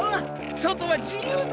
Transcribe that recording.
外は自由だ。